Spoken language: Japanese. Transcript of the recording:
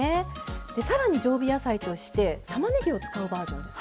で更に常備野菜としてたまねぎを使うバージョンですね。